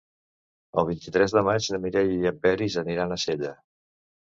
El vint-i-tres de maig na Mireia i en Peris aniran a Sella.